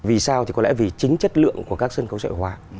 vì sao thì có lẽ vì chính chất lượng của các sân khấu sợi hóa